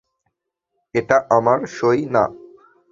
এটা তোমার সই না?